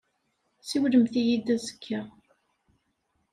Siwlemt-iyi-d azekka.